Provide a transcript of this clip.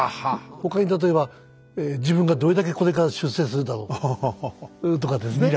他に例えば「自分がどれだけこれから出世するんだろう」とかですね。